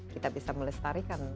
kita bisa melestarikan